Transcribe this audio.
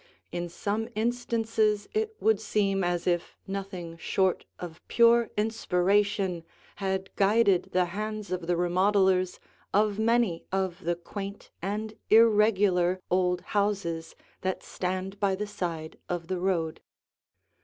In some instances it would seem as if nothing short of pure inspiration had guided the hands of the remodelers of many of the quaint and irregular old houses that stand by the side of the road.